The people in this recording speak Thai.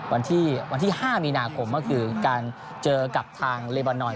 วันที่๕มีนาคมก็คือการเจอกับทางเลบานอน